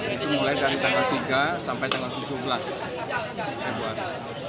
itu mulai dari tanggal tiga sampai tanggal tujuh belas februari